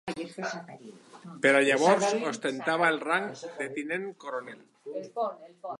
Per a llavors ostentava el rang de tinent coronel.